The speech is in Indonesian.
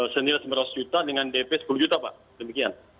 senilas seratus juta dengan dp sepuluh juta pak demikian